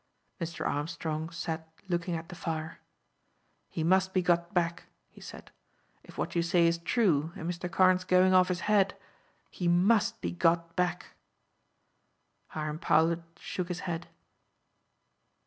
Mr. Armstrong sat looking at the fire. "He must be got back," he said. "If what you say is true, and Mr. Carne's going off his head, he must be got back." Hiram Powlett shook his head.